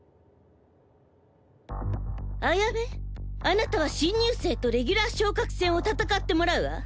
あなたは新入生とレギュラー昇格戦を戦ってもらうわ。